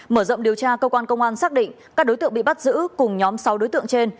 mở rộng điều tra cơ quan công an xác định các đối tượng bị bắt giữ cùng nhóm sáu đối tượng trên